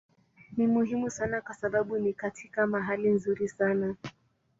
Ni muhimu sana kwa sababu ni katika mahali nzuri sana.